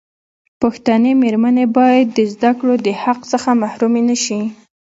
پښتنې مېرمنې باید د زدکړو دحق څخه محرومي نشي.